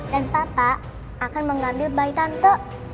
dan papa akan mengambil bayi tante